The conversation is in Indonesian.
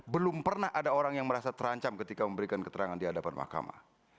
belum pernah ada orang yang merasa terancam ketika memberikan keterangan di hadapan mahkamah